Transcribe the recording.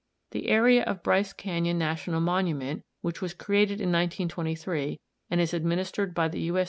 The area of Bryce Canyon National Monument, which was created in 1923 and is administered by the _U. S.